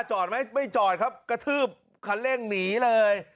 จอดไหมไม่จอดครับกระทืบคันเร่งหนีเลย